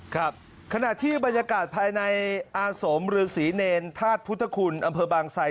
ครับขณะที่บรรยากาศภายในอาสมฤษีเนรธาตุพุทธคุณอำเภอบางไซ